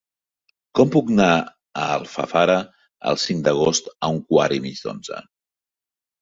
Com puc anar a Alfafara el cinc d'agost a un quart i mig d'onze?